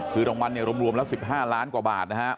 คือรางวัลรวมแล้ว๑๕ล้านกว่าบาทนะฮะ